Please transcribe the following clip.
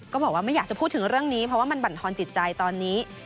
บอกว่าไม่อยากจะพูดถึงเรื่องนี้เพราะว่ามันบรรทอนจิตใจตอนนี้